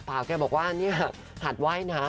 เปล่าแกบอกว่าหัดว่ายน้ำ